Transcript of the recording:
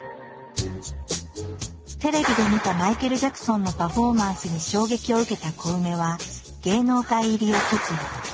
テレビで見たマイケル・ジャクソンのパフォーマンスに衝撃を受けたコウメは芸能界入りを決意。